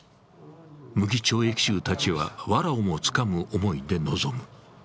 無期懲役囚たちは、わらをもつかむ思いで臨む。